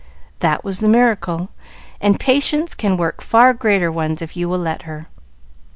"That was the miracle, and Patience can work far greater ones if you will let her."